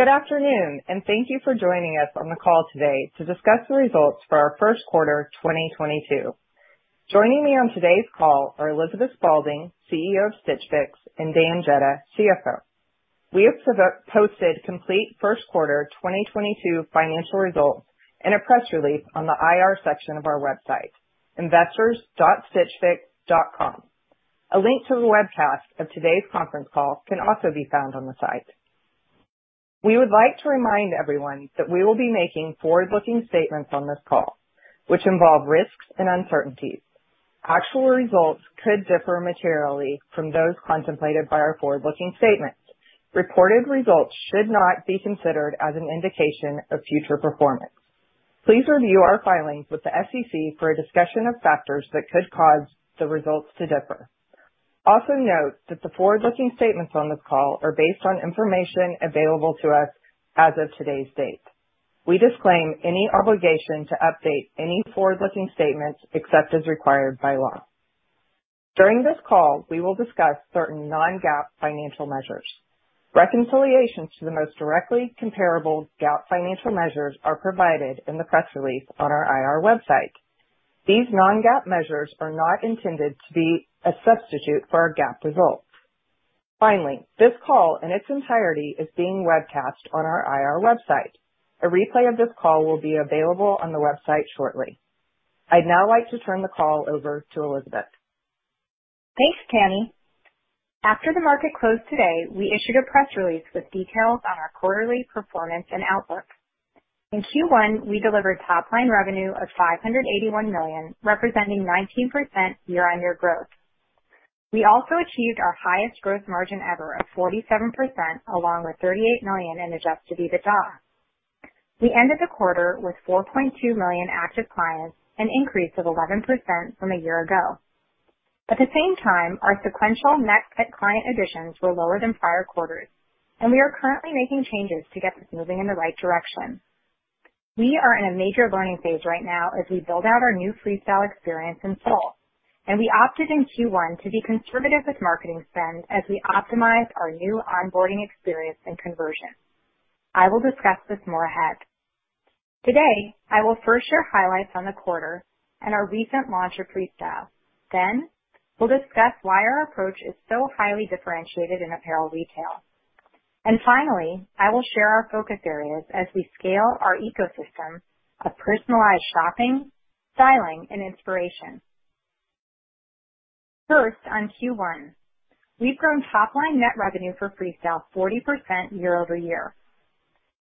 Good afternoon and thank you for joining us on the call today to discuss the results for our first quarter 2022. Joining me on today's call are Elizabeth Spaulding, CEO of Stitch Fix, and Dan Jedda, CFO. We have posted complete First Quarter 2022 Financial Results in a press release on the IR section of our website, investors.stitchfix.com. A link to the webcast of today's conference call can also be found on the site. We would like to remind everyone that we will be making forward-looking statements on this call, which involve risks and uncertainties. Actual results could differ materially from those contemplated by our forward-looking statements. Reported results should not be considered as an indication of future performance. Please review our filings with the SEC for a discussion of factors that could cause the results to differ. Also note that the forward-looking statements on this call are based on information available to us as of today's date. We disclaim any obligation to update any forward-looking statements except as required by law. During this call, we will discuss certain non-GAAP financial measures. Reconciliations to the most directly comparable GAAP financial measures are provided in the press release on our IR website. These non-GAAP measures are not intended to be a substitute for our GAAP results. Finally, this call in its entirety is being webcast on our IR website. A replay of this call will be available on the website shortly. I'd now like to turn the call over to Elizabeth. Thanks, Tanny, after the market closed today, we issued a press release with details on our quarterly performance and outlook. In Q1, we delivered top line revenue of $581 million, representing 19% year-on-year growth. We also achieved our highest gross margin ever of 47%, along with $38 million in adjusted EBITDA. We ended the quarter with 4.2 million active clients, an increase of 11% from a year ago. At the same time, our Sequential Net New Client Additions were lower than prior quarters, and we are currently making changes to get this moving in the right direction. We are in a major learning phase right now as we build out our new Freestyle experience in full. And we opted in Q1 to be conservative with marketing spend as we optimized our new onboarding experience and conversion. I will discuss this more ahead. Today, I will first share highlights on the quarter, and our recent launch of Freestyle. We'll discuss why our approach is so highly differentiated in apparel retail. Finally, I will share our focus areas as we scale our ecosystem of personalized shopping, styling, and inspiration. First, on Q1. We've grown Top-Line Net Revenue for Freestyle 40% year-over-year.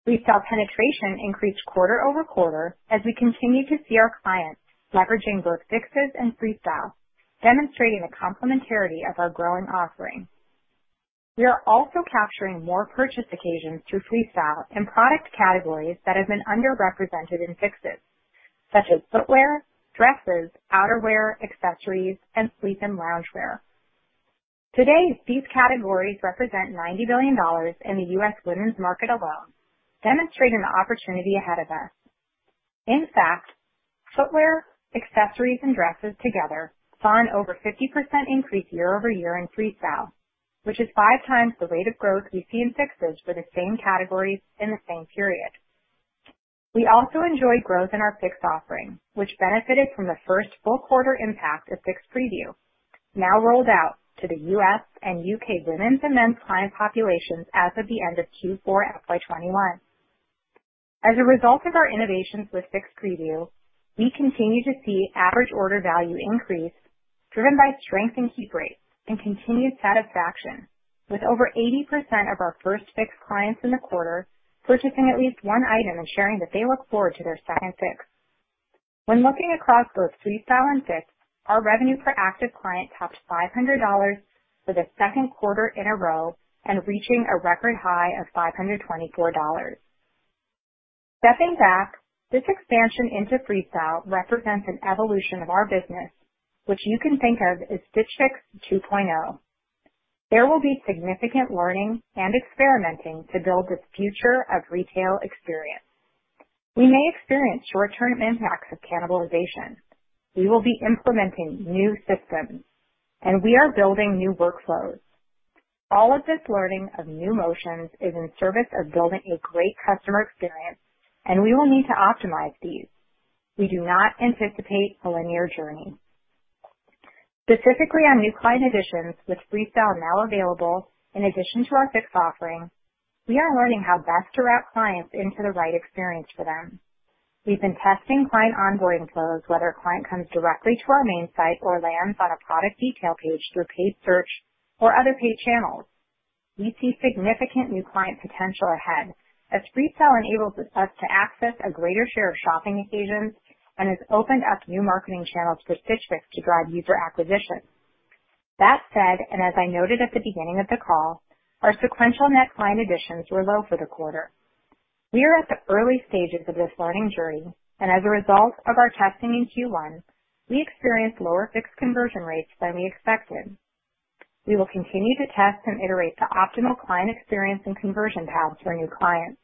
Freestyle penetration increased quarter-over-quarter as we continue to see our clients leveraging both Fixes and Freestyle, demonstrating the complementarity of our growing offering. We are also capturing more purchase occasions through Freestyle and product categories that have been underrepresented in Fixes, such as footwear, dresses, outerwear, accessories, and sleep and loungewear. Today, these categories represent $90 billion in the U.S. women's market alone, demonstrating the opportunity ahead of us. In fact, footwear, accessories, and dresses together saw an over 50% increase year-over-year in Freestyle. Which is 5x the rate of growth we see in Fixes for the same categories in the same period. We also enjoyed growth in our Fix offering, which benefited from the first full quarter impact of Fix Preview, now rolled out to the U.S. and U.K. women's and men's client populations as of the end of Q4 FY 2021. As a result of our innovations with Fix Preview, we continue to see average order value increase driven by strength in keep rates and continued satisfaction, with over 80% of our first Fix clients in the quarter purchasing at least one item and sharing that they look forward to their second Fix. When looking across both Freestyle and Fix, our revenue per active client topped $500 for the second quarter in a row and reaching a record high of $524. Stepping back, this expansion into Freestyle represents an evolution of our business, which you can think of as Stitch Fix 2.0. There will be significant learning and experimenting to build this future of retail experience. We may experience short-term impacts of cannibalization. We will be implementing new systems, and we are building new workflows. All of this learning of new motions is in service of building a great customer experience, and we will need to optimize these. We do not anticipate a linear journey. Specifically on New Client Additions, with Freestyle now available in addition to our Fix offering, we are learning how best to route clients into the right experience for them. We've been testing client onboarding flows, whether a client comes directly to our main site or lands on a product detail page through paid search or other paid channels. We see significant new client potential ahead as Freestyle enables us to access a greater share of shopping occasions and has opened up new marketing channels for Stitch Fix to drive user acquisition. That said, and as I noted at the beginning of the call, our sequential net client additions were low for the quarter. We are at the early stages of this learning journey, and as a result of our testing in Q1, we experienced lower Fix conversion rates than we expected. We will continue to test and iterate the optimal client experience and conversion path for new clients.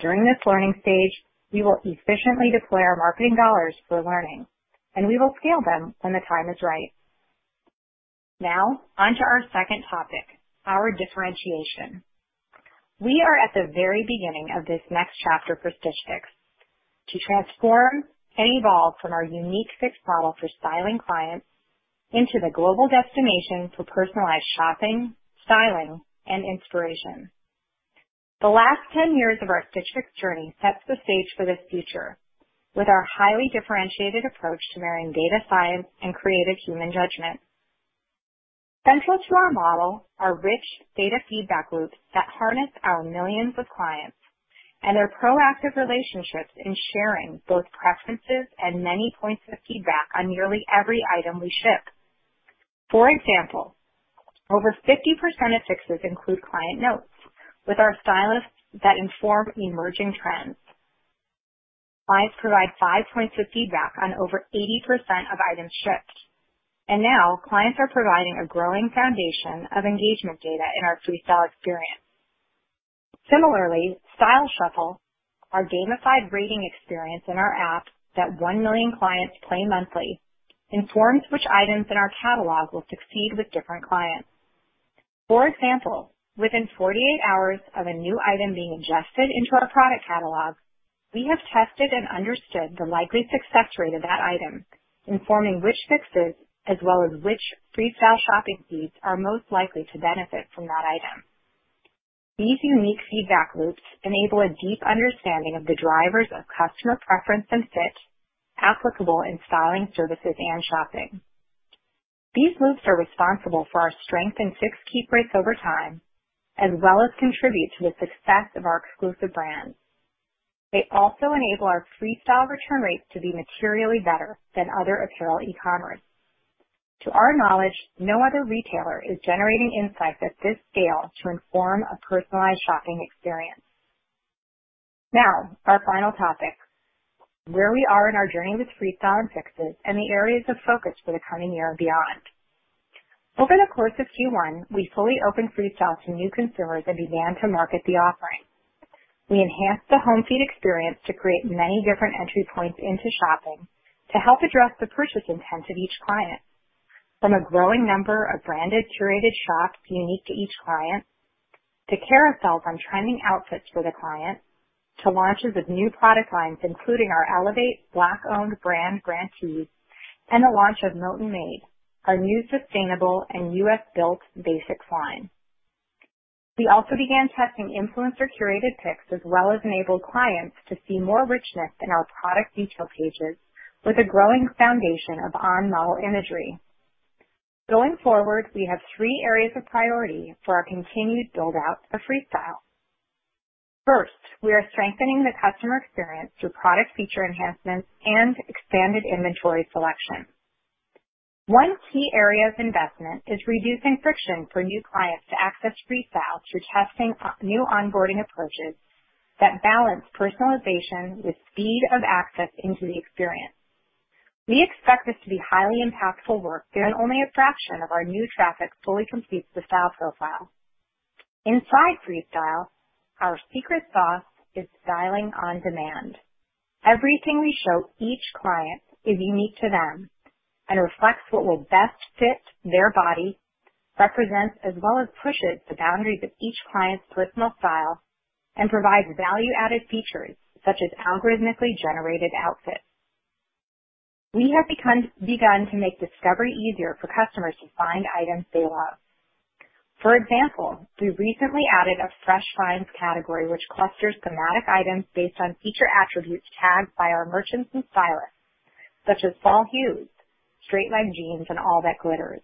During this learning stage, we will efficiently deploy our marketing Dollars for learning, and we will scale them when the time is right. Now on to our second topic, our differentiation. We are at the very beginning of this next chapter for Stitch Fix to transform and evolve from our Unique Fix Model for styling clients into the global destination for personalized shopping, styling, and inspiration. The last 10 years of our Stitch Fix journey sets the stage for this future with our highly differentiated approach to marrying data science and creative human judgment. Central to our model are rich data feedback loops that harness our millions of clients, and their proactive relationships in sharing both preferences, and many points of feedback on nearly every item we ship. For example, over 50% of Fixes include client notes with our stylists that inform emerging trends. Clients provide 5 basis points of feedback on over 80% of items shipped. Now clients are providing a growing foundation of engagement data in our Freestyle experience. Similarly, Style Shuffle, our gamified rating experience in our app that 1 million clients play monthly, informs which items in our catalog will succeed with different clients. For example, within 48 hours of a new item being ingested into our product catalog, we have tested and understood the likely success rate of that item. Informing which Fixes as well as which Freestyle shopping feeds are most likely to benefit from that item. These unique feedback loops enable a deep understanding of the drivers of customer preference and fit applicable in styling services and shopping. These loops are responsible for our strength in Fix keep rates over time, as well as contribute to the success of our exclusive brands. They also enable our Freestyle return rates to be materially better than other apparel e-commerce. To our knowledge, no other retailer is generating insights at this scale to inform a personalized shopping experience. Now, our final topic, where we are in our journey with Freestyle and Fixes and the areas of focus for the coming year and beyond. Over the course of Q1, we fully opened Freestyle to new consumers and began to market the offering. We enhanced the home feed experience to create many different entry points into shopping to help address the purchase intent of each client from a growing number of branded, Curated Shops unique to each client, to carousels on trending outfits for the client. To launches of new product lines, including our Elevate Black-owned brand grantees and the launch of Mohnton Made, our new sustainable and U.S.-made basics line. We also began testing influencer-curated picks, as well as enabled clients to see more richness in our product detail pages with a growing foundation of on-model imagery. Going forward, we have three areas of priority for our continued build-out of Freestyle. First, we are strengthening the customer experience through product feature enhancements, and expanded inventory selection. One key area of investment is reducing friction for new clients to access Freestyle through testing new onboarding approaches. That balance personalization with speed of access into the experience. We expect this to be highly impactful work, given only a fraction of our new traffic fully completes the style profile. Inside Freestyle, our secret sauce is styling on demand. Everything we show each client is unique to them and reflects what will best fit their body. Represents as well as pushes the boundaries of each client's personal style and provides value-added features, such as algorithmically generated outfits. We have begun to make discovery easier for customers to find items they love. For example, we recently added a Fresh Finds category. Which clusters thematic items based on feature attributes tagged by our merchants and stylists, such as fall hues, straight leg jeans, and all that glitters.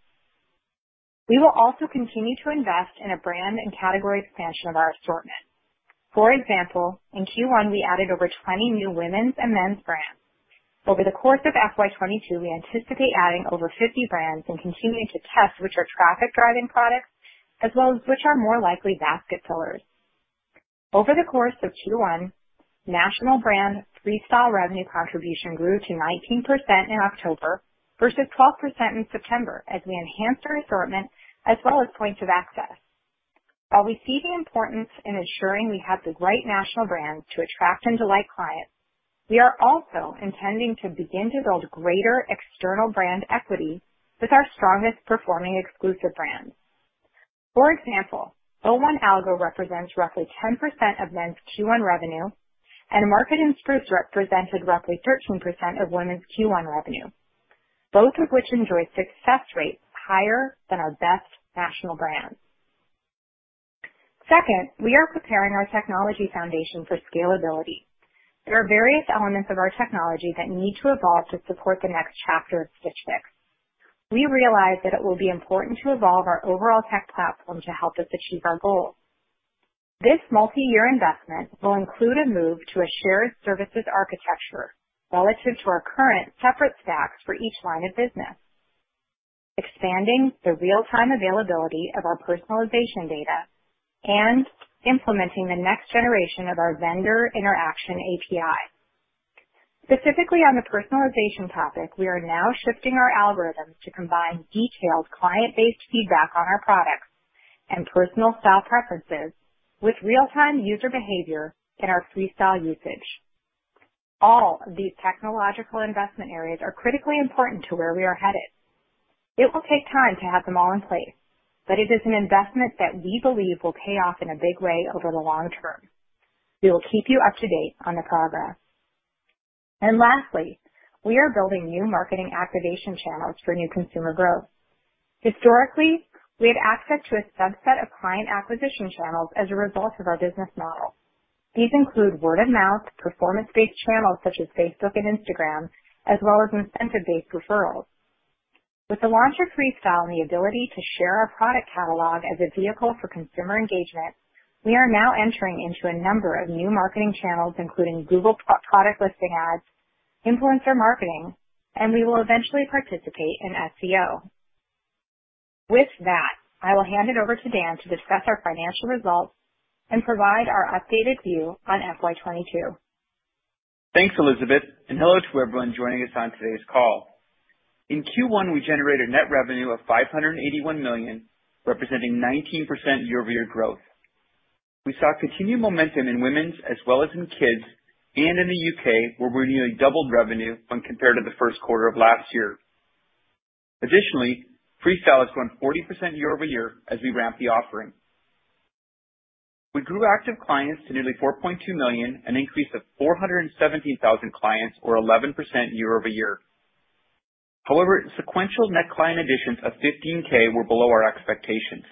We will also continue to invest in a brand and category expansion of our assortment. For example, in Q1, we added over 20 new women's and men's brands. Over the course of FY 2022, we anticipate adding over 50 brands, and continuing to test which are traffic-driving products as well as which are more likely basket fillers. Over the course of Q1, national brand Freestyle revenue contribution grew to 19% in October. Versus 12% in September as we enhanced our assortment as well as points of access. While we see the importance in ensuring we have the right national brands to attract and delight clients. We are also intending to begin to build greater external brand equity with our strongest performing exclusive brands. For example, 01.algo represents roughly 10% of men's Q1 revenue, and Market & Spruce represented roughly 13% of women's Q1 revenue. Both of which enjoy success rates higher than our best national brands. Second, we are preparing our technology foundation for scalability. There are various elements of our technology that need to evolve to support the next chapter of Stitch Fix. We realize that it will be important to evolve our overall tech platform to help us achieve our goals. This multi-year investment will include a move to a shared services architecture. Relative to our current separate stacks for each line of business. Expanding the real-time availability of our personalization data and implementing the next generation of our Vendor Interaction API. Specifically, on the personalization topic, we are now shifting our algorithms to combine detailed client-based feedback on our products. And personal style preferences with real-time user behavior in our Freestyle usage. All of these technological investment areas are critically important to where we are headed. It will take time to have them all in place, but it is an investment that we believe will pay off in a big way over the long term. We will keep you up to date on the progress. Lastly, we are building new marketing activation channels for new consumer growth. Historically, we had access to a subset of client acquisition channels as a result of our business model. These include word of mouth, performance-based channels such as Facebook and Instagram, as well as incentive-based referrals. With the launch of Freestyle and the ability to share our product catalog as a vehicle for consumer engagement, we are now entering into a number of new marketing channels, including Google Product Listing Ads, influencer marketing, and we will eventually participate in SEO. With that, I will hand it over to Dan to discuss our financial results and provide our updated view on FY 2022. Thanks, Elizabeth and hello to everyone joining us on today's call. In Q1, we generated net revenue of $581 million, representing 19% year-over-year growth. We saw continued momentum in women's as well as in kids and in the U.K., where we nearly doubled revenue when compared to the first quarter of last year. Additionally, Freestyle has grown 40% year-over-year as we ramp the offering. We grew active clients to nearly 4.2 million, an increase of 417,000 clients or 11% year-over-year. However, Sequential Net Client Additions of 15,000 were below our expectations.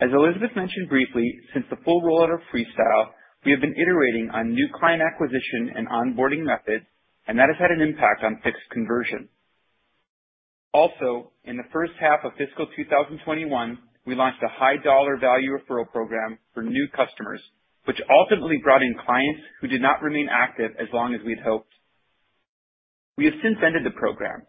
As Elizabeth mentioned briefly, since the full rollout of Freestyle, we have been iterating on new client acquisition and onboarding methods, and that has had an impact on Fix conversion. In the first half of fiscal 2021, we launched a high dollar value referral program for new customers, which ultimately brought in clients who did not remain active as long as we'd hoped. We have since ended the program.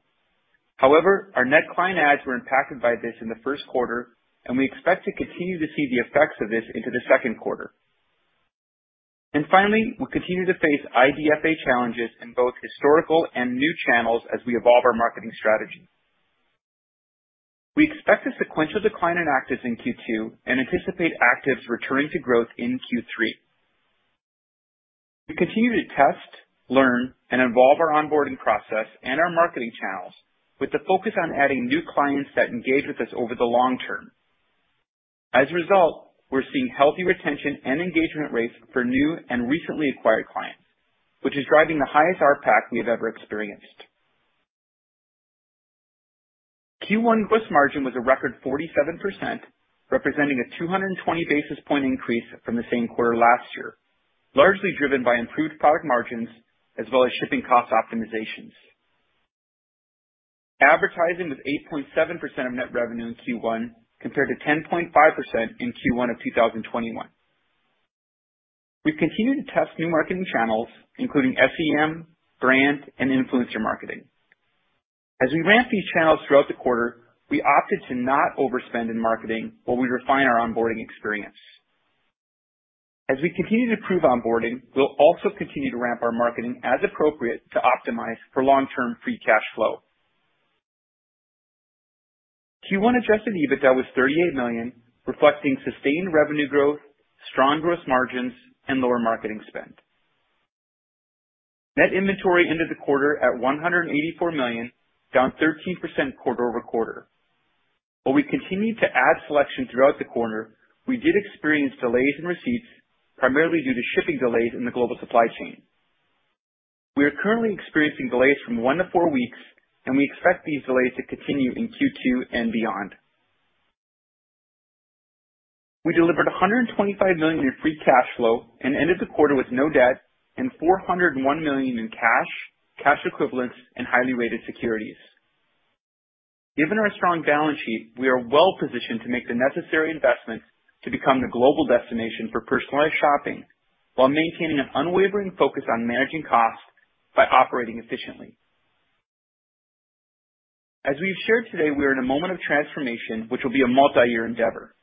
However, our Net Client Adds were impacted by this in the first quarter, and we expect to continue to see the effects of this into the second quarter. Finally, we continue to face IDFA challenges in both historical and new channels as we evolve our marketing strategy. We expect a sequential decline in actives in Q2 and anticipate actives returning to growth in Q3. We continue to test, learn, and evolve our onboarding process, and our marketing channels with the focus on adding new clients that engage with us over the long term. As a result, we're seeing healthy retention and engagement rates for new and recently acquired clients, which is driving the highest RPAC we have ever experienced. Q1 gross margin was a record 47%, representing a 220-basis point increase from the same quarter last year, largely driven by improved product margins as well as shipping cost optimizations. Advertising was 8.7% of net revenue in Q1, compared to 10.5% in Q1 of 2021. We've continued to test new marketing channels, including SEM, brand, and influencer marketing. As we ramp these channels throughout the quarter, we opted to not overspend in marketing while we refine our onboarding experience. As we continue to improve onboarding, we'll also continue to ramp our marketing as appropriate to optimize for long-term Free Cash Flow. Q1 adjusted EBITDA was $38 million, reflecting sustained revenue growth, strong gross margins, and lower marketing spend. Net inventory ended the quarter at $184 million, down 13% quarter-over-quarter. While we continued to add selection throughout the quarter, we did experience delays in receipts, primarily due to shipping delays in the global supply chain. We are currently experiencing delays from one-four weeks, and we expect these delays to continue in Q2 and beyond. We delivered $125 million in Free Cash Flow and ended the quarter with no debt and $401 million in cash equivalents, and highly rated securities. Given our strong balance sheet, we are well positioned to make the necessary investments to become the global destination for personalized shopping while maintaining an unwavering focus on managing costs by operating efficiently. As we have shared today, we are in a moment of transformation which will be a multi-year endeavor.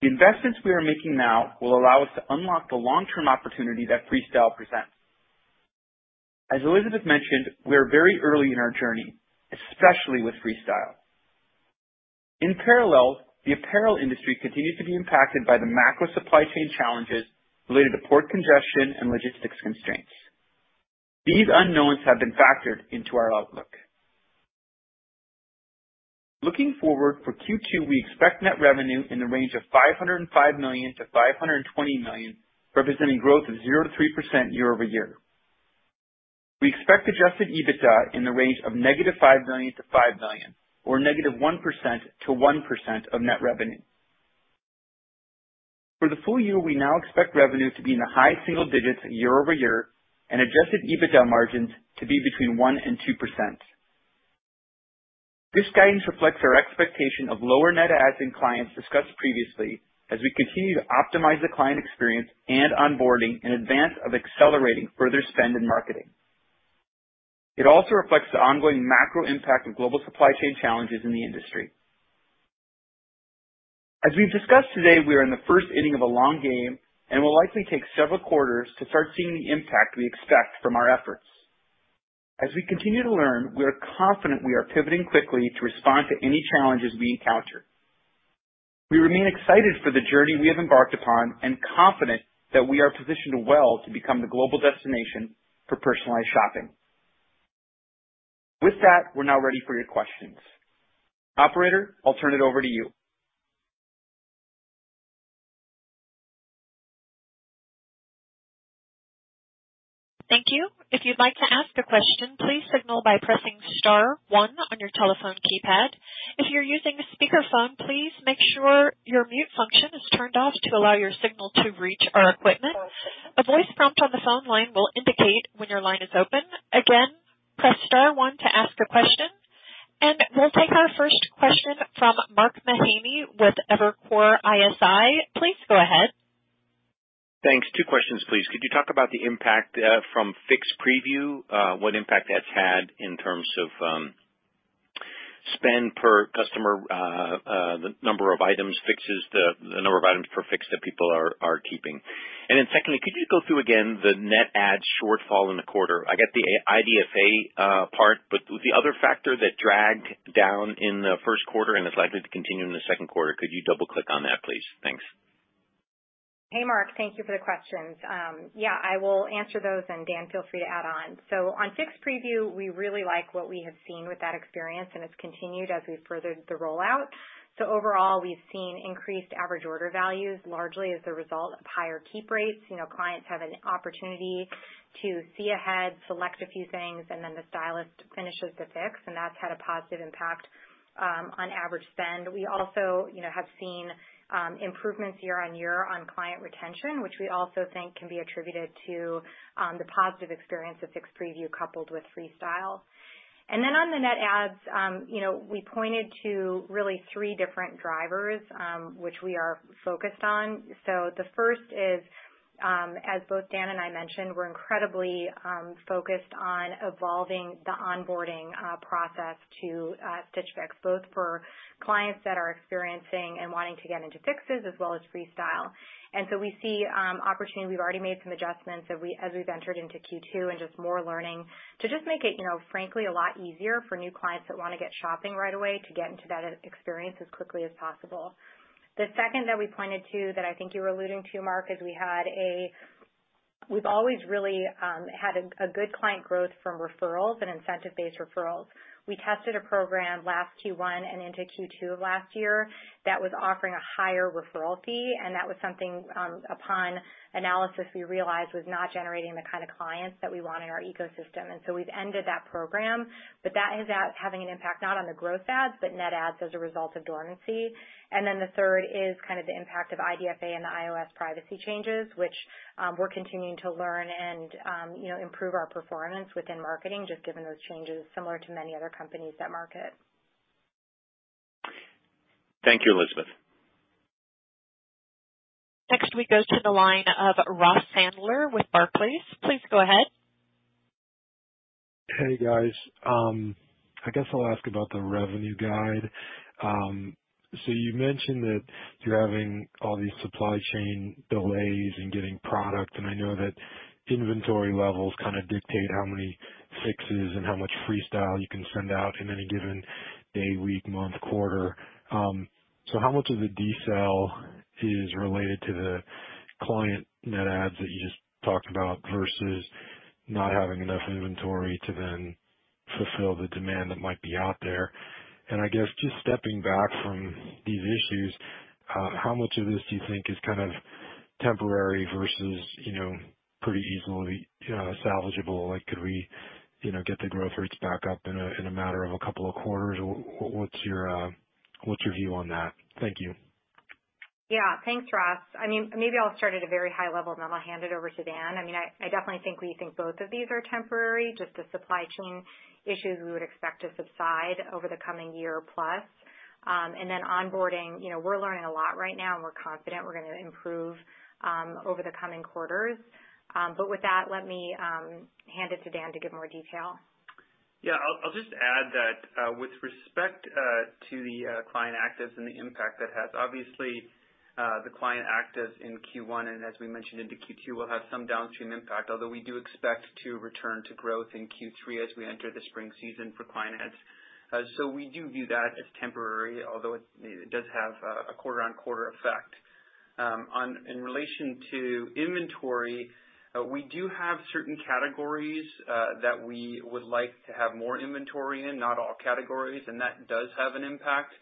The investments we are making now will allow us to unlock the long-term opportunity that Freestyle presents. As Elizabeth mentioned, we are very early in our journey, especially with Freestyle. In parallel, the apparel industry continues to be impacted by the macro supply chain challenges related to port congestion and logistics constraints. These unknowns have been factored into our outlook. Looking forward, for Q2, we expect net revenue in the range of $505 million-$520 million, representing growth of 0%-3% year-over-year. We expect adjusted EBITDA in the range of -$5 million to $5 million, or -1% to 1% of net revenue. For the full year, we now expect revenue to be in the high single digits% year-over-year, and adjusted EBITDA margins to be between 1% and 2%. This guidance reflects our expectation of lower net adds in clients discussed previously as we continue to optimize the client experience. And onboarding in advance of accelerating further spend in marketing. It also reflects the ongoing macro impact of global supply chain challenges in the industry. As we've discussed today, we are in the first inning of a long game and will likely take several quarters to start seeing the impact we expect from our efforts. As we continue to learn, we are confident we are pivoting quickly to respond to any challenges we encounter. We remain excited for the journey we have embarked upon and confident that we are positioned well to become the global destination for personalized shopping. With that, we're now ready for your questions. Operator, I'll turn it over to you. Thank you, if you'd like to ask a question, please signal by pressing star one on your telephone keypad. If you're using a speakerphone, please make sure your mute function is turned off to allow your signal to reach our equipment. A voice prompt on the phone line will indicate when your line is open. Again, press star one to ask a question. We'll take our first question from Mark Mahaney with Evercore ISI. Please go ahead. Thanks, two questions please. Could you talk about the impact from Fix Preview, what impact that's had in terms of spend per customer, the number of items per Fix that people are keeping? Secondly, could you go through again the Net Add shortfall in the quarter? I get the IDFA part, but the other factor that dragged down in the first quarter, and is likely to continue in the second quarter, could you double-click on that, please? Thanks. Hey Mark, thank you for the questions. I will answer those, and Dan, feel free to add on. On Fix Preview, we really like what we have seen with that experience, and it's continued as we've furthered the rollout. Overall, we've seen increased average order values largely as a result of higher keep rates. You know, clients have an opportunity to see ahead select a few things, and then the stylist finishes the Fix, and that's had a positive impact on average spend. We also, you know, have seen improvements year-on-year on client retention. Which we also think can be attributed to the positive experience of Fix Preview coupled with Freestyle. On the Net Adds, you know, we pointed to really three different drivers, which we are focused on. The first is, as both Dan and I mentioned, we're incredibly focused on evolving the onboarding process to Stitch Fix. Both for clients that are experiencing and wanting to get into Fixes as well as Freestyle. We see opportunity, we've already made some adjustments as we've entered into Q2 and just more learning to just make it, you know. Frankly, a lot easier for new clients that wanna get shopping right away to get into that experience as quickly as possible. The second that we pointed to that I think you were alluding to, Mark, is we've always really had a good client growth from referrals and incentive-based referrals. We tested a program last Q1 and into Q2 of last year that was offering a higher referral fee, and that was something upon analysis we realized was not generating the kind of clients that we want in our ecosystem. We've ended that program. That is having an impact not on the growth adds, but net adds as a result of dormancy. Then the third is kind of the impact of IDFA and the iOS privacy changes. Which we're continuing to learn, and you know, improve our performance within marketing, just given those changes, similar to many other companies that market. Thank you, Elizabeth. Next, we go to the line of Ross Sandler with Barclays. Please go ahead. Hey guys, I guess I'll ask about the revenue guide. So, you mentioned that you're having all these supply chain delays in getting product. And I know that inventory levels kinda dictate how many Fixes and how much Freestyle you can send out in any given day, week, month, quarter. So how much of the decel is related to the Client Net Adds that you just talked about versus not having enough inventory to then fulfill the demand that might be out there? And I guess just stepping back from these issues, how much of this do you think is kind of temporary versus, you know, pretty easily salvageable? Like, could we, you know, get the growth rates back up in a matter of a couple of quarters? What's your view on that? Thank you. Yeah, thanks, Ross I mean, maybe I'll start at a very high level, and then I'll hand it over to Dan. I mean, I definitely think we think both of these are temporary, just the supply chain issues we would expect to subside over the coming year plus. Onboarding, you know, we're learning a lot right now, and we're confident we're gonna improve over the coming quarters. With that, let me hand it to Dan to give more detail. Yeah, I'll just add that, with respect to the client actives and the impact that has. Obviously, the client actives in Q1 and as we mentioned into Q2 will have some downstream impact. Although we do expect to return to growth in Q3 as we enter the spring season for client adds. We do view that as temporary, although it does have a quarter-on-quarter effect. In relation to inventory, we do have certain categories that we would like to have more inventory in, not all categories, and that does have an impact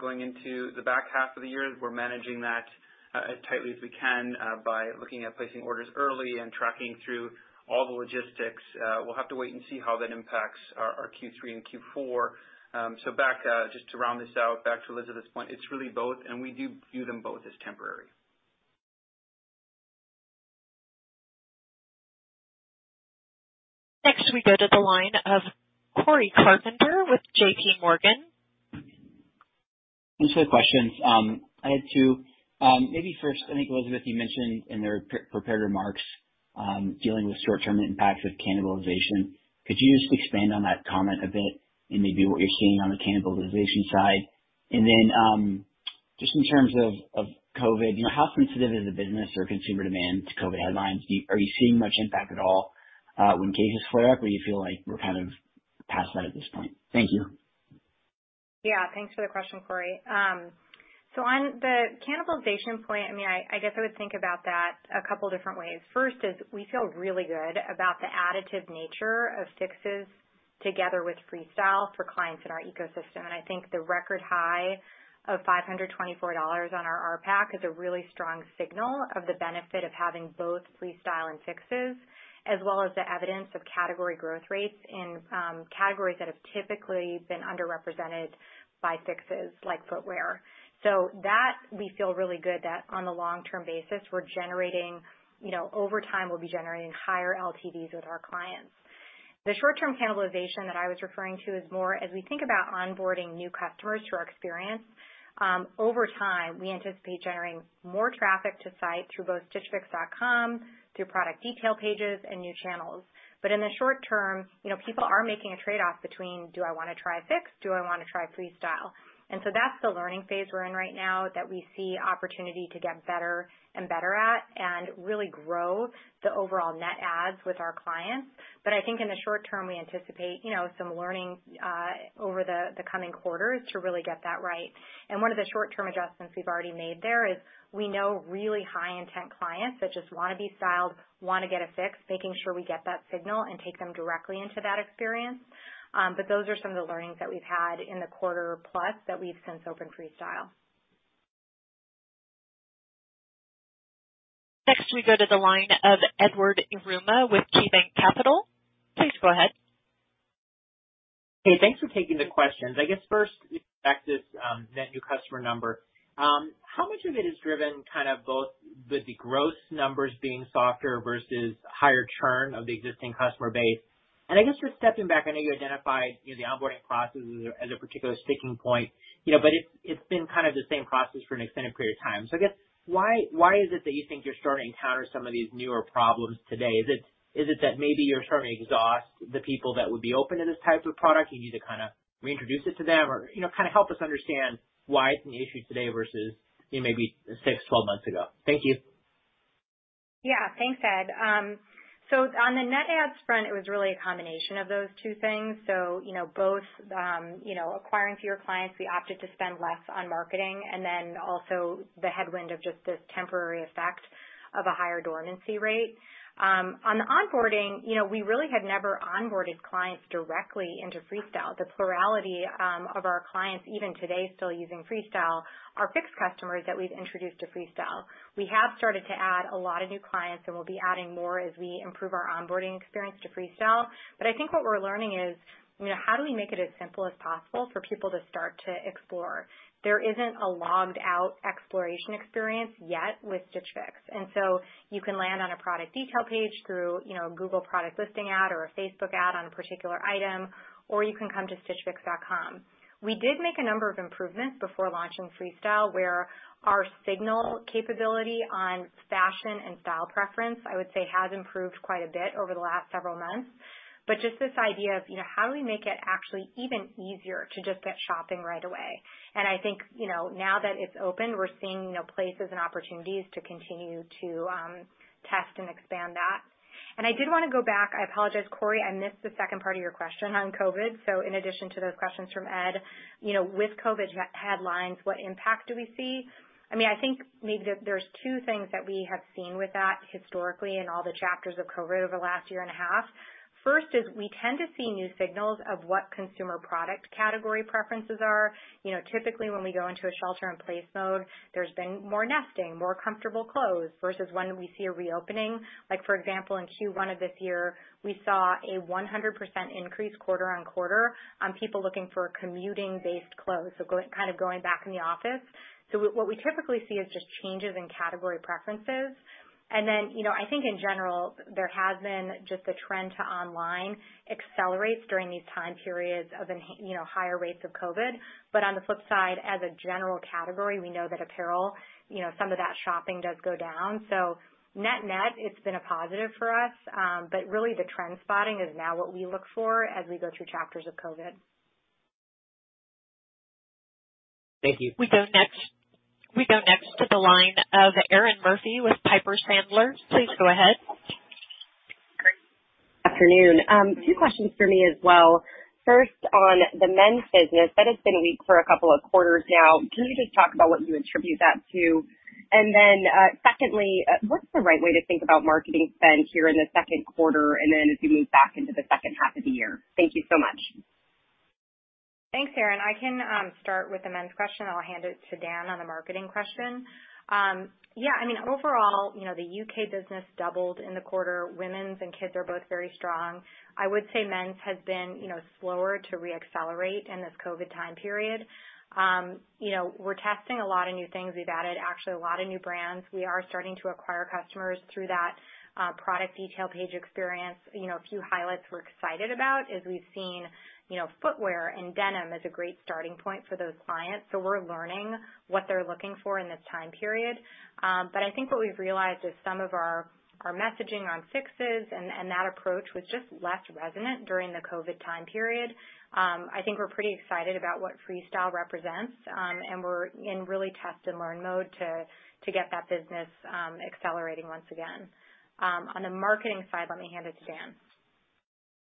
going into the back half of the year. We're managing that as tightly as we can by looking at placing orders early and tracking through all the logistics. We'll have to wait and see how that impacts our Q3 and Q4. Back just to round this out, back to Elizabeth's point, it's really both, and we do view them both as temporary. Next, we go to the line of Cory Carpenter with J.P. Morgan. Thanks for the questions, I had two. Maybe first, I think, Elizabeth, you mentioned in the pre-prepared remarks, dealing with short-term impacts of cannibalization. Could you just expand on that comment a bit and maybe what you're seeing on the cannibalization side? Then, just in terms of COVID, you know, how sensitive is the business or consumer demand to COVID headlines? Are you seeing much impact at all, when cases flare up? Or you feel like we're kind of. Pass that at this point. Thank you. Yeah, thanks for the question, Corey. On the cannibalization point, I mean, I guess I would think about that a couple different ways. First is we feel really good about the additive nature of Fixes together with Freestyle for clients in our ecosystem. I think the record high of $524 on our RPAC is a really strong signal of the benefit of having both Freestyle and Fixes. As well as the evidence of category growth rates in categories that have typically been underrepresented by Fixes like footwear. That we feel really good that on a long-term basis, we're generating, you know, over time, we'll be generating higher LTVs with our clients. The short-term cannibalization that I was referring to is more as we think about onboarding new customers to our experience. Over time, we anticipate generating more traffic to site through both stitchfix.com, through product detail pages and new channels. In the short term, you know, people are making a trade-off between do I wanna try Fix, do I wanna try Freestyle? That's the learning phase we're in right now that we see opportunity to get better and better at, and really grow the overall net adds with our clients. I think in the short term, we anticipate, you know, some learning, over the coming quarters to really get that right. One of the short-term adjustments we've already made there is we know really high intent clients that just wanna be styled, wanna get a Fix, making sure we get that signal and take them directly into that experience. Those are some of the learnings that we've had in the quarter plus that we've since opened Freestyle. Next, we go to the line of Edward Yruma with KeyBanc Capital. Please go ahead. Hey, thanks for taking the questions. I guess first, back to that new customer number. How much of it is driven kind of both with the gross numbers being softer versus higher churn of the existing customer base? I guess just stepping back, I know you identified, you know, the onboarding process as a particular sticking point, you know, but it's been kind of the same process for an extended period of time. I guess why is it that you think you're starting to encounter some of these newer problems today? Is it that maybe you're starting to exhaust the people that would be open to this type of product? You need to kinda reintroduce it to them or, you know, kinda help us understand why it's an issue today versus, you know, maybe six, 12 months ago. Thank you. Yeah, thanks, Ed. You know, both acquiring fewer clients, we opted to spend less on marketing, and then also the headwind of just this temporary effect of a higher dormancy rate. On the onboarding, you know, we really had never onboarded clients directly into Freestyle. The plurality of our clients, even today, still using Freestyle are Fix customers that we've introduced to Freestyle. We have started to add a lot of new clients, and we'll be adding more as we improve our onboarding experience to Freestyle. I think what we're learning is, you know, how do we make it as simple as possible for people to start to explore? There isn't a logged-out exploration experience yet with Stitch Fix. You can land on a product detail page through, you know, a Google Product Listing Ad or a Facebook ad on a particular item, or you can come to stitchfix.com. We did make a number of improvements before launching Freestyle, where our signal capability on fashion and style preference, I would say, has improved quite a bit over the last several months. Just this idea of, you know, how do we make it actually even easier to just get shopping right away? I think, you know, now that it's open, we're seeing, you know, places and opportunities to continue to test and expand that. I did wanna go back. I apologize, Corey, I missed the second part of your question on COVID. In addition to those questions from Ed, you know, with COVID headlines, what impact do we see? I mean, I think maybe there's two things that we have seen with that historically in all the chapters of COVID over the last year and a half. First is we tend to see new signals of what consumer product category preferences are. You know, typically when we go into a shelter in place mode, there's been more nesting, more comfortable clothes versus when we see a reopening. Like, for example, in Q1 of this year, we saw a 100% increase quarter-over-quarter on people looking for commuting-based clothes, kind of going back in the office. What we typically see is just changes in category preferences. You know, I think in general, there has been just a trend to online accelerates during these time periods, you know, of higher rates of COVID. On the flip side, as a general category, we know that apparel, you know, some of that shopping does go down. Net-net, it's been a positive for us. Really the trend spotting is now what we look for as we go through chapters of COVID. Thank you. We go next to the line of Erinn Murphy with Piper Sandler. Please go ahead. Afternoon, two questions for me as well. First, on the men's business, that has been weak for a couple of quarters now. Can you just talk about what you attribute that to? Secondly, what's the right way to think about marketing spend here in the second quarter, and then as we move back into the second half of the year? Thank you so much. Thanks, Erinn I can start with the men's question. I'll hand it to Dan on the marketing question. Yeah, I mean, overall, you know, the U.K. business doubled in the quarter. Women's and kids are both very strong. I would say men's has been, you know, slower to re-accelerate in this COVID time period. You know, we're testing a lot of new things. We've added actually a lot of new brands. We are starting to acquire customers through that product detail page experience. You know, a few highlights we're excited about is we've seen, you know, footwear and denim as a great starting point for those clients. We're learning what they're looking for in this time period. I think what we've realized is some of our messaging on Fixes and that approach was just less resonant during the COVID time period. I think we're pretty excited about what Freestyle represents, and we're in real test and learn mode to get that business accelerating once again. On the marketing side, let me hand it to Dan.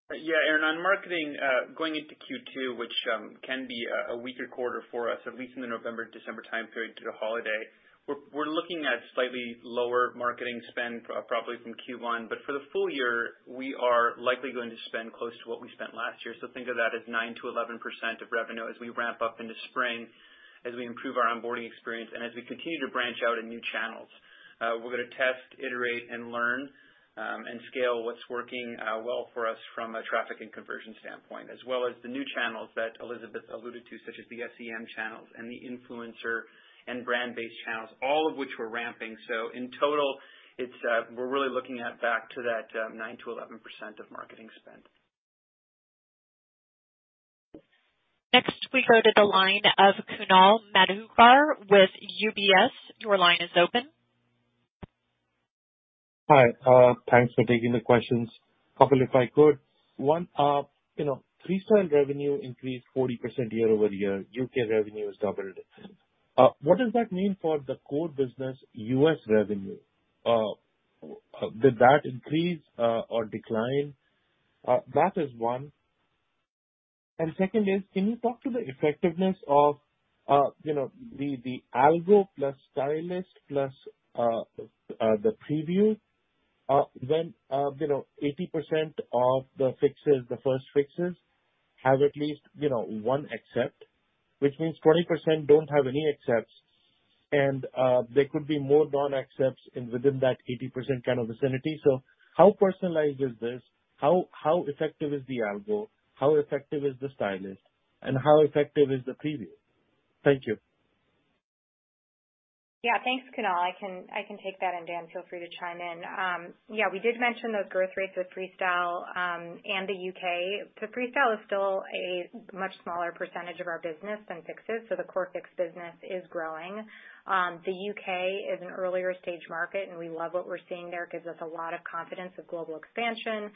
Yeah, Erinn, on marketing, going into Q2, which can be a weaker quarter for us, at least in the November, December time period through the holiday. We're looking at slightly lower marketing spend probably from Q1, but for the full year, we are likely going to spend close to what we spent last year. Think of that as 9%-11% of revenue as we ramp up into spring, as we improve our onboarding experience and as we continue to branch out in new channels. We're gonna test, iterate, and learn, and scale what's working well for us from a traffic and conversion standpoint. As well as the new channels that Elizabeth alluded to, such as the SEM channels and the influencer and brand-based channels, all of which we're ramping. In total, it's we're really looking back to that 9%-11% of marketing spend. Next, we go to the line of Kunal Madhukar with UBS. Your line is open. Hi, thanks for taking the questions. Couple if I could, one, you know, Freestyle revenue increased 40% year-over-year. U.K. revenue has doubled. What does that mean for the core business U.S. revenue? Did that increase or decline? That is one, and second is can you talk to the effectiveness of, you know, the algo plus Stylist plus the Preview. When, you know, 80% of the Fixes, the first Fixes have at least one accept, which means 20% don't have any accepts, and there could be more non-accepts within that 80% kind of vicinity. How personalized is this? How effective is the algo? How effective is the stylist, and how effective is the preview? Thank you. Yeah thanks, Kunal, I can take that and Dan, feel free to chime in. Yeah, we did mention those growth rates with Freestyle and the U.K. Freestyle is still a much smaller percentage of our business than Fixes. So, the core Fix business is growing. The U.K. is an earlier stage market, and we love what we're seeing there. It gives us a lot of confidence with global expansion.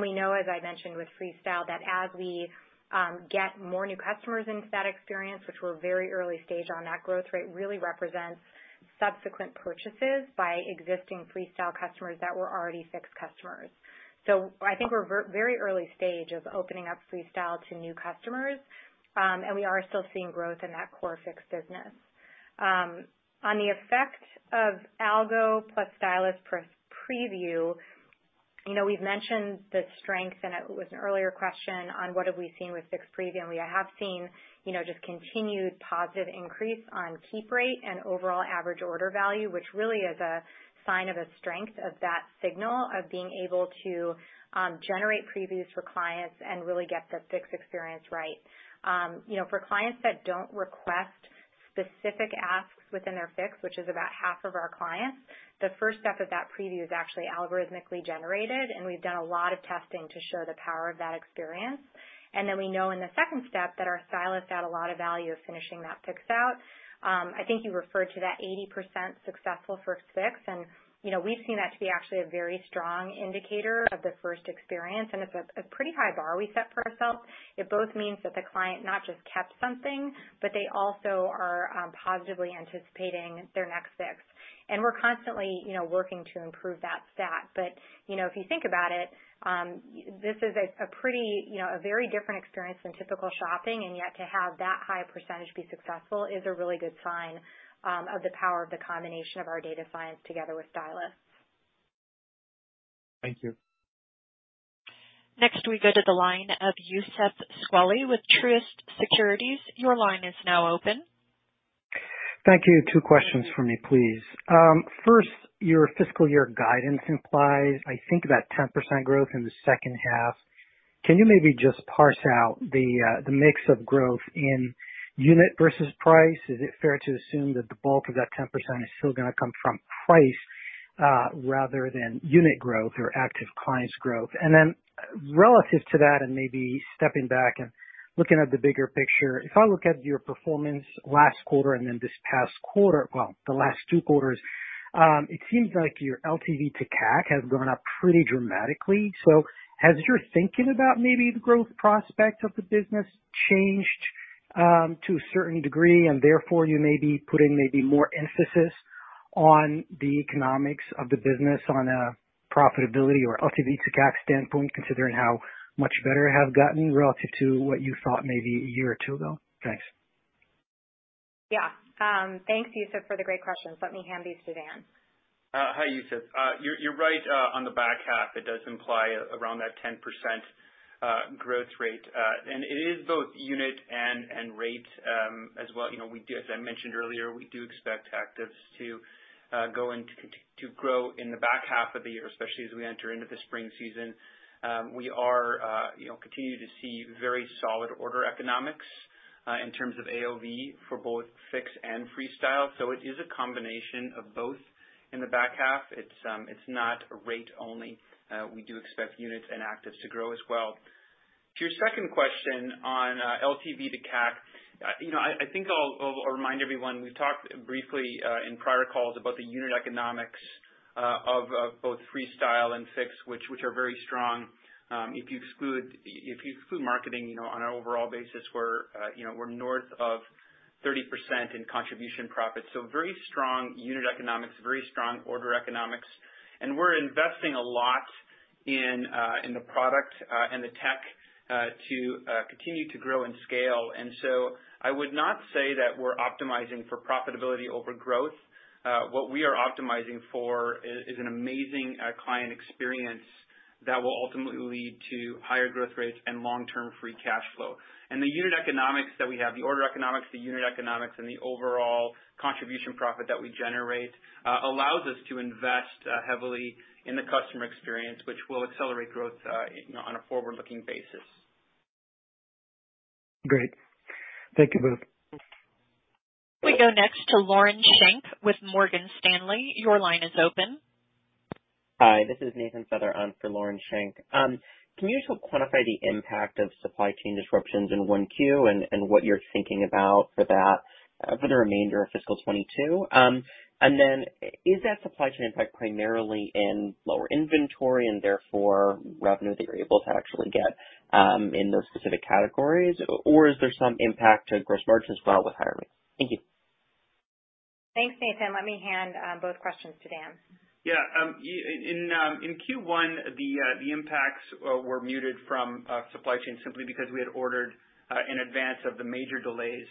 We know, as I mentioned with Freestyle, that as we get more new customers into that experience. Which we're very early stage on, that growth rate really represents subsequent purchases by existing Freestyle customers that were already Fix customers. I think we're very early stage of opening up Freestyle to new customers, and we are still seeing growth in that core Fix business. On the effect of algo plus Stylist plus Preview, you know, we've mentioned the strength, and it was an earlier question on what have we seen with Fix Preview. And we have seen, you know, just continued positive increase on keep rate and overall average order value. Which really is a sign of a strength of that signal of being able to generate previews for clients and really get the Fix experience right. You know, for clients that don't request specific asks within their Fix, which is about half of our clients. The first step of that preview is actually algorithmically generated, and we've done a lot of testing to show the power of that experience. We know in the second step that our stylists add a lot of value of finishing that Fix out. I think you referred to that 80% successful first Fix, and, you know, we've seen that to be actually a very strong indicator of the first experience, and it's a pretty high bar we set for ourselves. It both means that the client not just kept something, but they also are positively anticipating their next Fix. We're constantly, you know, working to improve that stat. If you think about it, this is a pretty, you know, a very different experience than typical shopping, and yet to have that high a percentage be successful is a really good sign of the power of the combination of our data science together with stylists. Thank you. Next, we go to the line of Youssef Squali with Truist Securities. Your line is now open. Thank you, two questions for me, please. First, your fiscal year guidance implies, I think, about 10% growth in the second half. Can you maybe just parse out the mix of growth in unit versus price? Is it fair to assume that the bulk of that 10% is still gonna come from price rather than unit growth or active client's growth? Then relative to that and maybe stepping back and looking at the bigger picture. If I look at your performance last quarter and then this past quarter, well, the last two quarters. It seems like your LTV to CAC has gone up pretty dramatically. Has your thinking about maybe the growth prospects of the business changed, to a certain degree. And therefore you may be putting maybe more emphasis on the economics of the business on a profitability or LTV to CAC standpoint, considering how much better it has gotten relative to what you thought maybe a year or two ago? Thanks. Yeah, thanks, Youssef, for the great questions. Let me hand these to Dan. Hi Youssef, you're right on the back half. It does imply around that 10% growth rate. It is both unit and rate as well. You know, as I mentioned earlier, we do expect actives to grow in the back half of the year, especially as we enter into the spring season. You know, we continue to see very solid order economics in terms of AOV for both Fix and Freestyle. It is a combination of both in the back half. It's not rate only. We do expect units and actives to grow as well. To your second question on LTV to CAC. You know, I think I'll remind everyone, we've talked briefly in prior calls about the unit economics of both Freestyle and Fix, which are very strong. If you exclude marketing, you know, on an overall basis, we're north of 30% in contribution profits. Very strong unit economics, very strong order economics. We're investing a lot in the product and the tech to continue to grow and scale. I would not say that we're optimizing for profitability overgrowth. What we are optimizing for is an amazing client experience that will ultimately lead to higher growth rates and long-term Free Cash Flow. The unit economics that we have, the order economics, the unit economics, and the overall contribution profit that we generate. Allows us to invest heavily in the customer experience, which will accelerate growth, you know, on a forward-looking basis. Great, thank you both. We go next to Lauren Schenk with Morgan Stanley. Your line is open. Hi, this is Nathan Feather on for Lauren Schenk. Can you just help quantify the impact of supply chain disruptions in 1Q, and what you're thinking about for that for the remainder of fiscal 2022? Is that supply chain impact primarily in lower inventory, and therefore revenue that you're able to actually get in those specific categories? Is there some impact to gross margin as well with higher rates? Thank you. Thanks, Nathan let me hand both questions to Dan. In Q1, the impacts were muted from supply chain simply because we had ordered in advance of the major delays,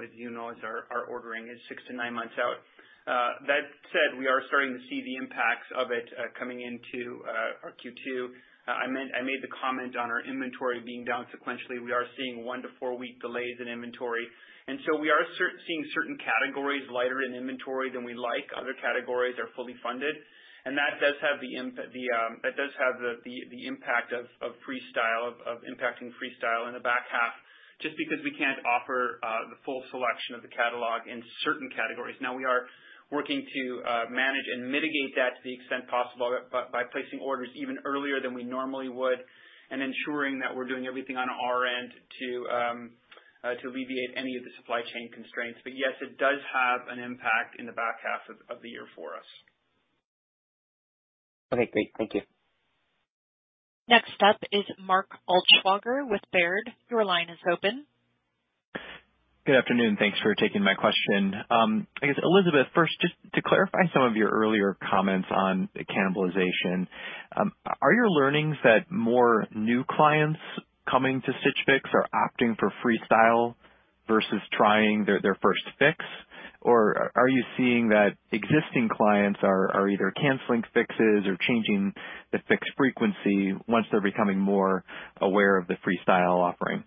as you know, as our ordering is six-nine months out. That said, we are starting to see the impacts of it coming into our Q2. I made the comment on our inventory being down sequentially. We are seeing one- to four-week delays in inventory, and so we are seeing certain categories lighter in inventory than we like. Other categories are fully funded, and that does have the impact of impacting Freestyle in the back half, just because we can't offer the full selection of the catalog in certain categories. Now, we are working to manage and mitigate that to the extent possible by placing orders even earlier than we normally would. And ensuring that we're doing everything on our end to alleviate any of the supply chain constraints. Yes, it does have an impact in the back half of the year for us. Okay great, thank you. Next up is Mark Altschwager with Baird. Your line is open. Good afternoon, thanks for taking my question. I guess, Elizabeth, first, just to clarify some of your earlier comments on cannibalization, are your learnings that more new clients coming to Stitch Fix are opting for Freestyle versus trying their first Fix? Or are you seeing that existing clients are either canceling Fixes, or changing the Fix frequency once they're becoming more aware of the Freestyle offering?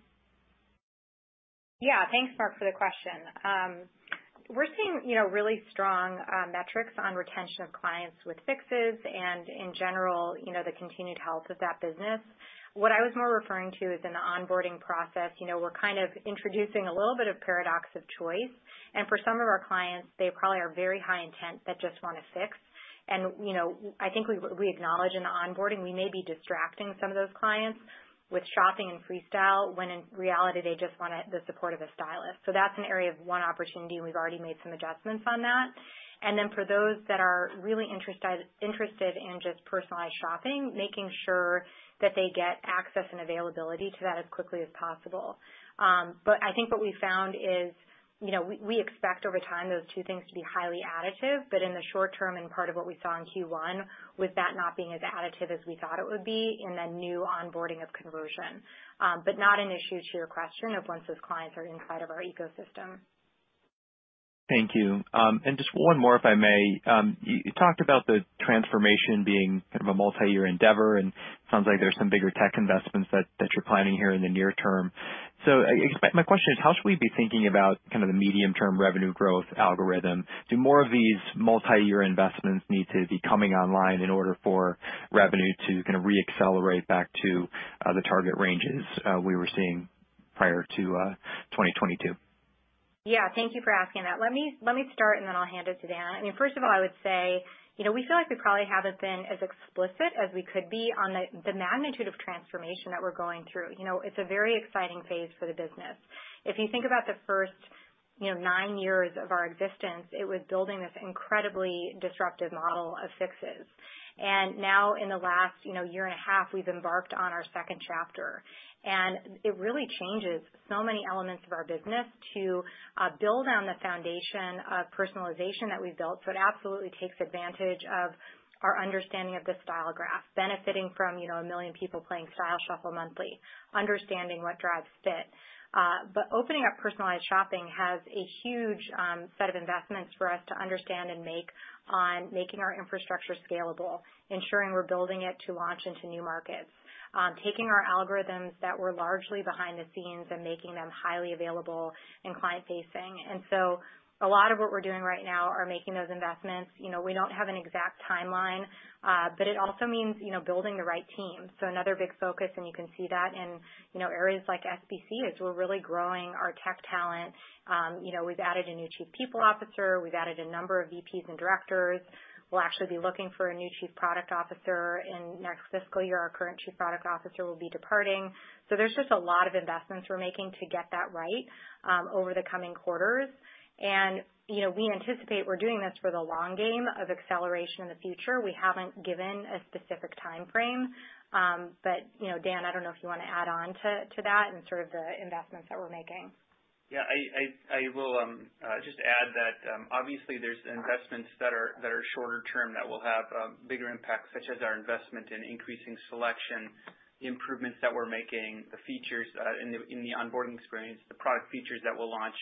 Yeah, thanks, Mark for the question. We're seeing, you know, really strong metrics on retention of clients with Fixes and in general, you know, the continued health of that business. What I was more referring to is in the onboarding process, you know, we're kind of introducing a little bit of paradox of choice. And for some of our clients, they probably are very high intent that just want a Fix. You know, I think we acknowledge in the onboarding we may be distracting some of those clients. With shopping and Freestyle, when in reality, they just wanted the support of a stylist. That's an area of one opportunity, and we've already made some adjustments on that. For those that are really interested in just personalized shopping, making sure that they get access and availability to that as quickly as possible. I think what we found is, you know, we expect over time those two things to be highly additive. In the short term, and part of what we saw in Q1, was that not being as additive. As we thought it would be in the new onboarding of conversion. Not an issue to your question of once those clients are inside of our ecosystem. Thank you, just one more, if I may. You talked about the transformation being kind of a multi-year endeavor. And it sounds like there's some bigger tech investments that you're planning here in the near term. I guess my question is, how should we be thinking about kind of the medium-term revenue growth algorithm? Do more of this multi-year investments need to be coming online in order for revenue, to kind of re-accelerate back to the target ranges we were seeing prior to 2022? Yeah, thank you for asking that. Let me start, and then I'll hand it to Dan. I mean, first of all, I would say, you know, we feel like we probably haven't been as explicit as we could be on the magnitude of transformation that we're going through. You know, it's a very exciting phase for the business. If you think about the first, you know, nine years of our existence, it was building this incredibly disruptive model of Fixes. Now in the last, you know, year and a half, we've embarked on our second chapter, and it really changes so many elements of our business to build on the foundation of personalization that we've built. It absolutely takes advantage of our understanding of the style graph, benefiting from, you know, 1 million people playing Style Shuffle monthly, understanding what drives fit. Opening up personalized shopping has a huge set of investments for us to understand and make on making our infrastructure scalable, ensuring we're building it to launch into new markets, taking our algorithms that were largely behind the scenes and making them highly available and client-facing. A lot of what we're doing right now are making those investments. You know, we don't have an exact timeline, but it also means, you know, building the right team. Another big focus, and you can see that in, you know, areas like SBC, is we're really growing our tech talent. You know, we've added a new Chief People Officer. We've added a number of VPs and Directors. We'll actually be looking for a new Chief Product Officer in next fiscal year. Our current Chief Product Officer will be departing. There's just a lot of investments we're making to get that right over the coming quarters. You know, we anticipate we're doing this for the long game of acceleration in the future. We haven't given a specific timeframe. You know, Dan, I don't know if you wanna add on to that and sort of the investments that we're making. Yeah, I will just add that obviously there's investments that are shorter term that will have bigger impacts, such as our investment in increasing selection. The improvements that we're making, the features in the onboarding experience, the product features that we'll launch.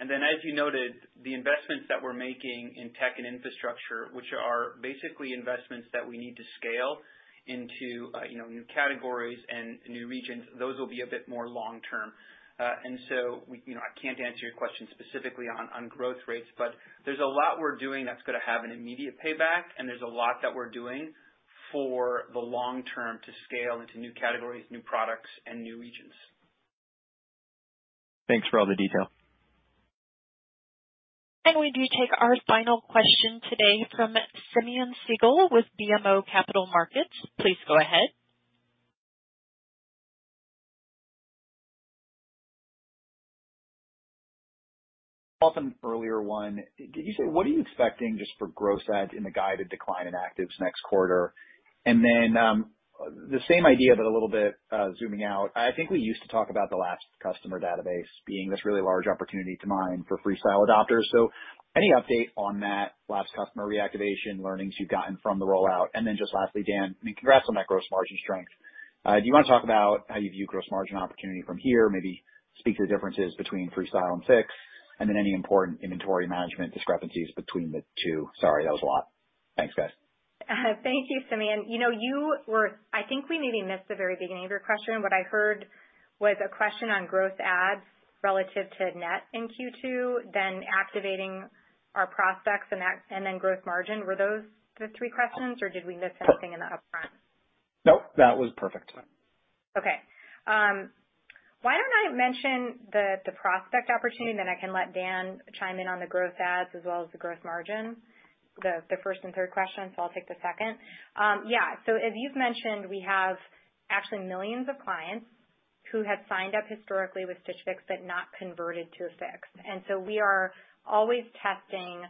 As you noted, the investments that we're making in tech and infrastructure, which are basically investments that we need to scale into new categories and new regions, those will be a bit more long-term. You know, I can't answer your question specifically on growth rates, but there's a lot we're doing that's gonna have an immediate payback, and there's a lot that we're doing for the long term to scale into new categories, new products and new regions. Thanks for all the detail. We do take our final question today from Simeon Siegel with BMO Capital Markets. Please go ahead. On the earlier one, did you say what are you expecting just for gross adds in the guided decline in actives next quarter? The same idea, but a little bit, zooming out. I think we used to talk about the lapsed customer database being this really large opportunity to mine for Freestyle adopters. Any update on that lapsed customer reactivation learnings you've gotten from the rollout? Just lastly, Dan, I mean, congrats on that gross margin strength. Do you want to talk about how you view gross margin opportunity from here? Maybe speak to the differences between Freestyle and Fix, and then any important inventory management discrepancies between the two. Sorry, that was a lot, thanks, guys. Thank you, Simeon, you know, I think we may be missed the very beginning of your question. What I heard was a question on growth adds relative to net in Q2? Then activating our prospects and then growth margin. Were those the three questions, or did we miss something in the upfront. Nope, that was perfect. Okay, why don't I mention the prospect opportunity, and then I can let Dan chime in on the growth adds as well as the growth margin. The first and third question, I'll take the second. Yeah, as you've mentioned, we have actually millions of clients who have signed up historically with Stitch Fix but not converted to a Fix. We are always testing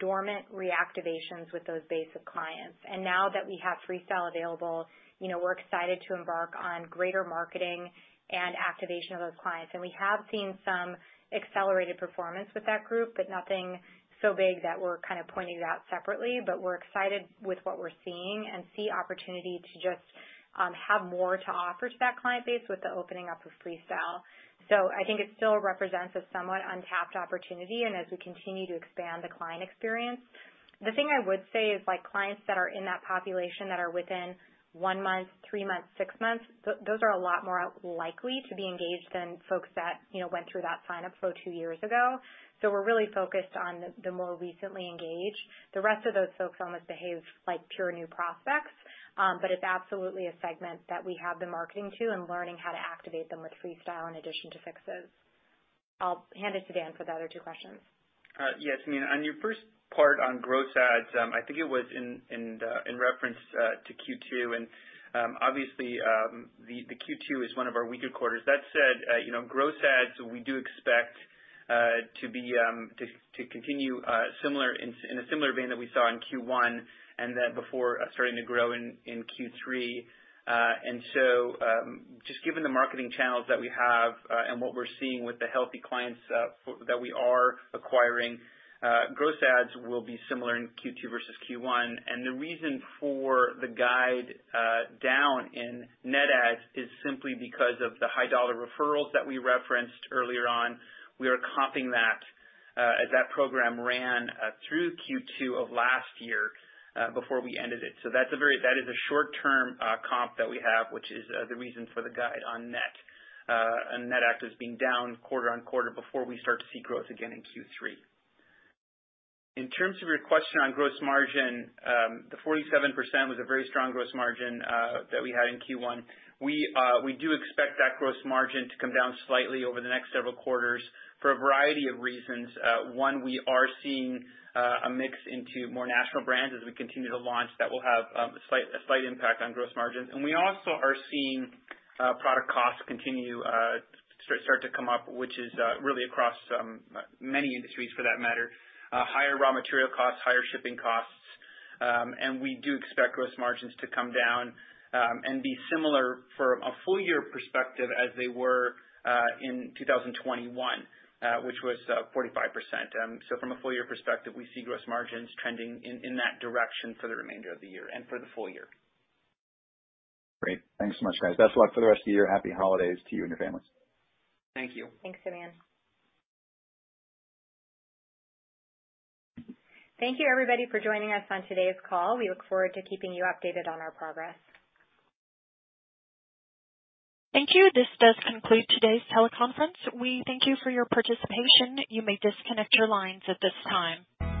dormant reactivations with those bases of clients. Now that we have Freestyle available, you know, we're excited to embark on greater marketing and activation of those clients. We have seen some accelerated performance with that group, but nothing so big that we're kind of pointing it out separately. We're excited with what we're seeing and see opportunity to just have more to offer to that client base with the opening up of Freestyle. I think it still represents a somewhat untapped opportunity and as we continue to expand the client experience. The thing I would say is like clients that are in that population that are within one month, three months, six months. Those are a lot more likely to be engaged than folks that, you know, went through that signup flow two years ago. We're really focused on the more recently engaged. The rest of those folks almost behave like pure new prospects. It's absolutely a segment that we have the marketing to and learning how to activate them with Freestyle in addition to Fixes. I'll hand it to Dan for the other two questions. Yes, I mean, on your first part on growth adds, I think it was in reference to Q2, and obviously, the Q2 is one of our weaker quarters. That said, you know, growth adds, we do expect to continue similar in a similar vein that we saw in Q1 and then before starting to grow in Q3. Just given the marketing channels that we have, and what we're seeing with the healthy clients that we are acquiring, growth adds will be similar in Q2 versus Q1. The reason for the guide down in net adds is simply because of the high-dollar referrals that we referenced earlier on. We are comping that, as that program ran, through Q2 of last year, before we ended it. That's a short-term comp that we have, which is the reason for the guide on net adds as being down quarter on quarter before we start to see growth again in Q3. In terms of your question on gross margin, the 47% was a very strong gross margin that we had in Q1. We do expect that gross margin to come down slightly over the next several quarters for a variety of reasons. One, we are seeing a mix into more national brands as we continue to launch that will have a slight impact on gross margins. We also are seeing product costs continue to come up, which is really across many industries for that matter, higher raw material costs, higher shipping costs. We do expect gross margins to come down and be similar for a full year perspective as they were in 2021, which was 45%. From a full year perspective, we see gross margins trending in that direction for the remainder of the year and for the full year. Great, thanks so much, guys. Best luck for the rest of the year. Happy holidays to you and your families. Thank you. Thanks, Simeon. Thank you everybody for joining us on today's call. We look forward to keeping you updated on our progress. Thank you, this does conclude today's teleconference. We thank you for your participation. You may disconnect your lines at this time.